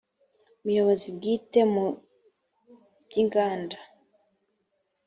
ubuyobozi bwite mu by’inganda